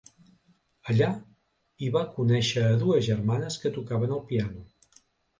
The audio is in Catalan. Allà hi va conèixer a dues germanes que tocaven el piano.